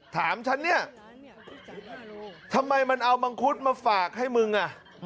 ถามฉันเนี่ยทำไมมันเอามังคุดมาฝากให้มึงอ่ะ